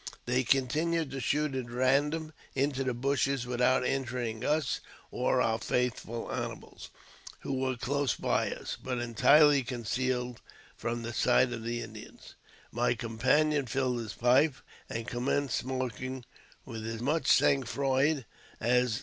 They con tinued to shoot at random into the bushes without injuring us er our faithful animals, who were close by us, but entirely] concealed from the sight of the Indians. My companion filled his pipe and commenced smoking with as much sang froid as.